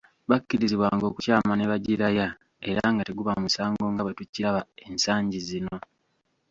Bakkirizibwanga okukyama ne bagiraya era nga teguba musango nga bwe tukiraba ensangi zino.